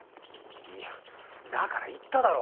いやだから言っただろう。